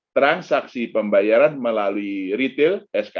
transaksi pembayaran melalui retail sk